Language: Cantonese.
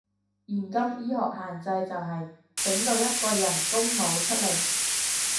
現今醫學限制就係，整唔到一個人工腦出嚟